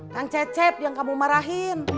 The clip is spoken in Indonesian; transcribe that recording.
kang cecep yang kamu marahin